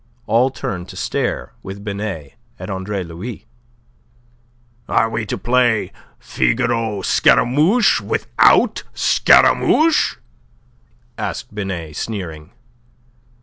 All turned to stare with Binet at Andre Louis. "Are we to play 'Figaro Scaramouche' without Scaramouche?" asked Binet, sneering.